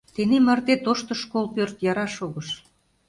Тений марте тошто школ пӧрт яра шогыш.